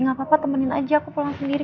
gak apa apa temenin aja aku pulang sendiri